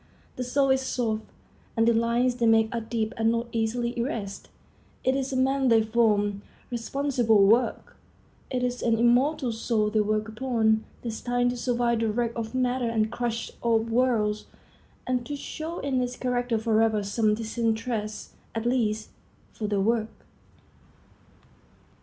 The soul is soft, and the lines they make are deep and not easily erased. It is a man they form. Responsible work! It is an immortal soul they work upon, destined to survive the wreck of matter and the crush of worlds, and to show in its character forever some distant trace, at least, of their work.